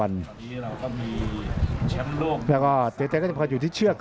อัศวินาศาสตร์